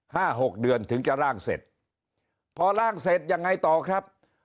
หกเดือนถึงจะร่างเสร็จพอร่างเสร็จยังไงต่อครับ